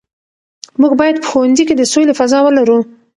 موږ باید په ښوونځي کې د سولې فضا ولرو.